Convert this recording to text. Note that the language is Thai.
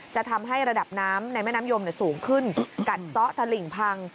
จะทำให้ระดับน้ำในแม่น้ำยมสูงขึ้นกัดซ่อตะหลิ่งพัง